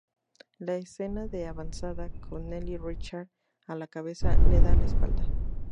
La Escena de Avanzada, con Nelly Richard a la cabeza, le da la espalda".